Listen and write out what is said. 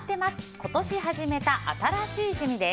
今年始めた新しい趣味です。